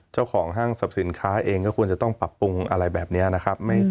ห้างสรรพสินค้าเองก็ควรจะต้องปรับปรุงอะไรแบบนี้นะครับ